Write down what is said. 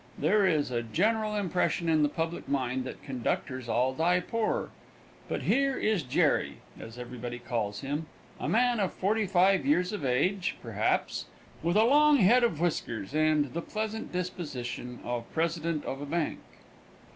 There is a general impression in the public mind that conductors all die poor, but here is "Jerry," as everybody calls him, a man of forty five years of age, perhaps, with a long head of whiskers and the pleasant position of president of a bank.